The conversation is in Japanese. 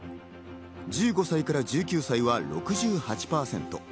１５歳から１９歳は６８％。